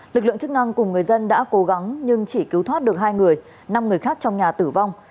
lực lượng chức năng cùng người dân đã cố gắng nhưng chỉ cứu thoát được hai người năm người khác trong nhà tử vong